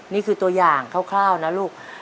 นี่คือตัวอย่างคร่าวนะลูก